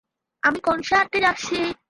আমি কনসার্টে যাচ্ছি।